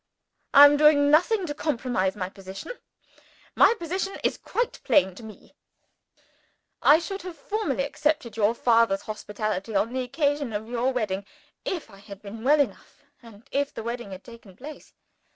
I am doing nothing to compromise my position. My position is quite plain to me. I should have formally accepted your father's hospitality on the occasion of your wedding if I had been well enough and if the wedding had taken place.